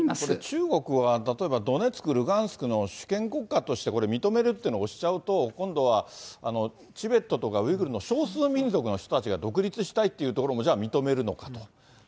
これ、中国は例えば、ドネツク、ルガンスクの主権国家としてこれ、認めるというのを推しちゃうと、今度はチベットとかウイグルの少数民族の人たちが独立したいっていうところも、じゃあ認めるのかと。